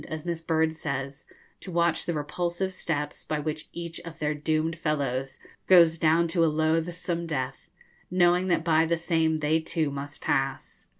as Miss Bird says, 'to watch the repulsive steps by which each of their doomed fellows goes down to a loathsome death, knowing that by the same they too must pass.'